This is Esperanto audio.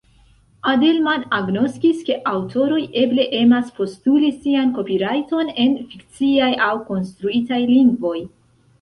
Adelman agnoskis ke aŭtoroj eble emas postuli sian kopirajton en fikciaj aŭ konstruitaj lingvoj